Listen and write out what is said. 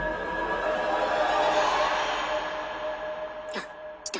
あっきた。